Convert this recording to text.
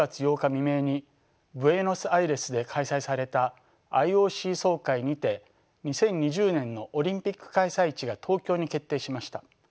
未明にブエノスアイレスで開催されたＩＯＣ総会にて２０２０年のオリンピック開催地が東京に決定しました。